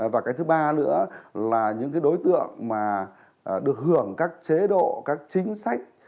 và cái thứ ba nữa là những cái đối tượng mà được hưởng các chế độ các chính sách